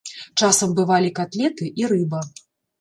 Часам бывалі катлеты і рыба.